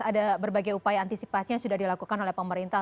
ada berbagai upaya antisipasi yang sudah dilakukan oleh pemerintah